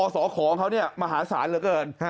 สขเขามหาศาลเหลือเกิน